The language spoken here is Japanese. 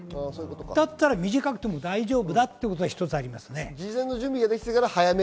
だったら短くても大丈夫だということが一つあります。